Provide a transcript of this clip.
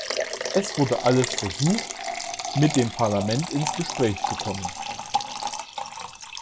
Es wurde alles versucht, mit dem Parlament ins Gespräch zu kommen.